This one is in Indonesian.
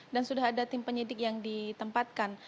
dan sudah ada tim penyidik yang ditempatkan